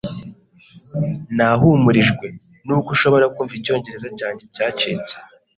Nahumurijwe nuko ushobora kumva icyongereza cyanjye cyacitse.